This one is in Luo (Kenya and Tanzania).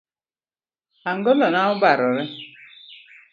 Angolo na obarore